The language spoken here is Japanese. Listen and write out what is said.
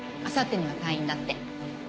あさってには退院だって。